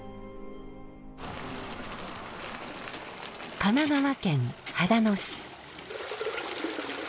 神奈川県秦野市。